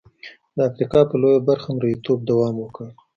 د افریقا په لویه برخه مریتوب دوام وکړ.